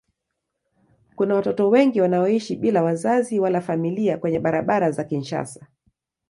Kuna watoto wengi wanaoishi bila wazazi wala familia kwenye barabara za Kinshasa.